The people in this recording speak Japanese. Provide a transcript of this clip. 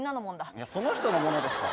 いや、その人のものですから。